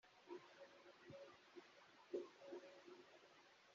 Stromae yagize ati “U Rwanda ni igihugu cyiza